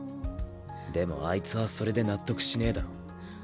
でもあいつはそれで納得しねぇだろ。